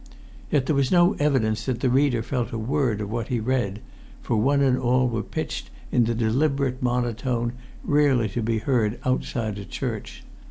Yet there was no evidence that the reader felt a word of what he read, for one and all were pitched in the deliberate monotone rarely to be heard outside a church.